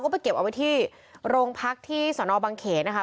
ก็ไปเก็บเอาไว้ที่โรงพักที่สนบังเขนนะคะ